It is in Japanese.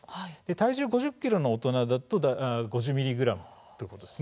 体重５０ｋｇの大人だと５０ｍｇです。